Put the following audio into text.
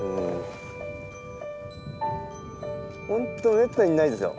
本当めったにないですよ。